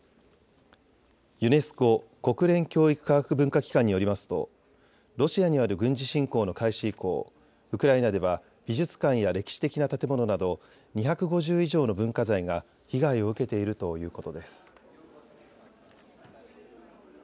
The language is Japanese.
ユネスコ・国連教育科学文化機関によりますとロシアによる軍事侵攻の開始以降、ウクライナでは美術館や歴史的な建物など２５０以上の文化財が被害を受けているということです。